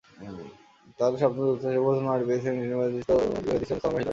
তাঁদের স্বপ্ন, যুক্তরাষ্ট্রের প্রথম নারী প্রেসিডেন্ট নির্বাচিত হয়ে দৃষ্টান্ত স্থাপন করবেন হিলারি।